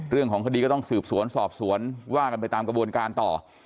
เรื่องของคดีก็ต้องสืบสวนสอบสวนว่ากันไปตามกระบวนการต่อ